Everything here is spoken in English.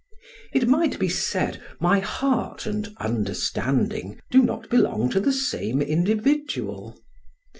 It might be said my heart and understanding do not belong to the same individual.